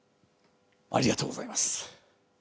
ありがとうございます。